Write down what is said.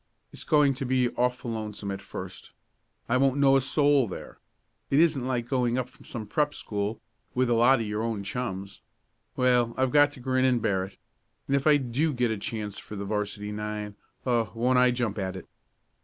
"It's going to be awful lonesome at first. I won't know a soul there. It isn't like going up from some prep school, with a lot of your own chums. Well, I've got to grin and bear it, and if I do get a chance for the 'varsity nine oh, won't I jump at it!"